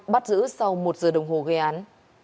bắt giữ sau một giờ đồng hồ gây án